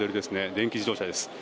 電気自動車です。